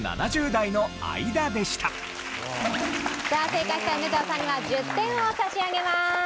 さあ正解した梅沢さんには１０点を差し上げます。